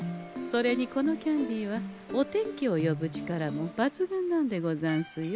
それにこのキャンディーはお天気を呼ぶ力も抜群なんでござんすよ。